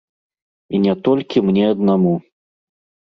І не толькі мне аднаму.